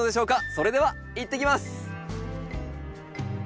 それではいってきます！